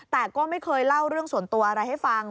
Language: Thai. แต่ก็ไม่เคยเล่าเรื่องส่วนตัวอะไรให้ฟัง